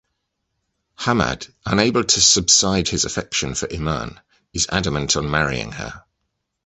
Hammad unable to subside his affection for Imaan is adamant on marrying her.